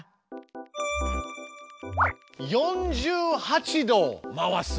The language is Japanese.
「４８度回す」。